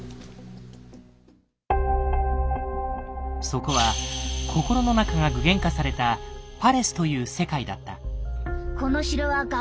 そこは心の中が具現化された「パレス」という世界だった。